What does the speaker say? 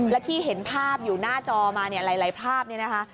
และที่เห็นภาพอยู่หน้าจอมาลายภาพนี่นะคะ